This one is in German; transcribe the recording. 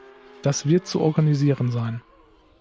Das wird zu organisieren sein.